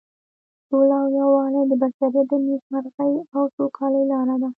سوله او یووالی د بشریت د نیکمرغۍ او سوکالۍ لاره ده.